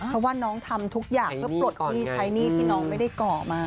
เพราะว่าน้องทำทุกอย่างเพื่อปลดหนี้ใช้หนี้ที่น้องไม่ได้ก่อมา